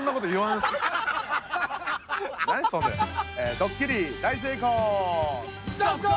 ドッキリ大成功。